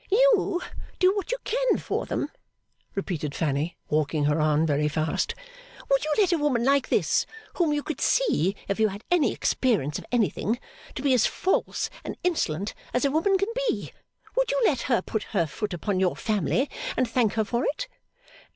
'You do what you can for them!' repeated Fanny, walking her on very fast. 'Would you let a woman like this, whom you could see, if you had any experience of anything, to be as false and insolent as a woman can be would you let her put her foot upon your family, and thank her for it?